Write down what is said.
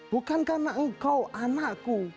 bukan karena engkau anakku